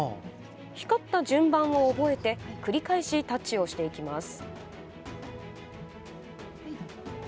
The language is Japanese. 光った順番を覚えて繰り返しタッチをしていきます。